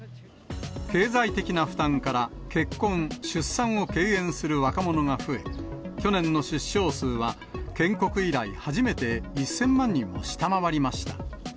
経済的な負担から、結婚・出産を敬遠する若者が増え、去年の出生数は建国以来初めて、１０００万人を下回りました。